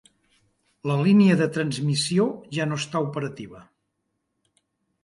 La línia de transmissió ja no està operativa.